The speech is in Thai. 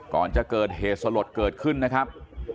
ก่อนจะเกิดเหตุสลดเกิดขึ้นนะครับ